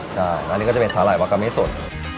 ใช่อันนี้ก็จะเป็นสระไหหละวากามิส่วน